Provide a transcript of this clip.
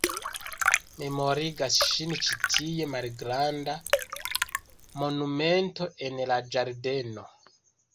Memorigas ŝin ĉi tie malgranda monumento en la ĝardeno.